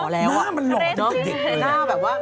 หน้ามันหล่อจริงเลย